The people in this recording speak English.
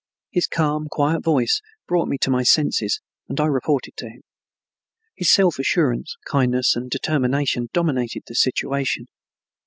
His calm, quiet voice brought me to my senses and I reported to him. His self assurance, kindness, and determination dominated the situation.